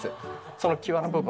その際の部分。